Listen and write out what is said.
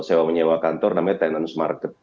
sewa menyewa kantor namanya tenance market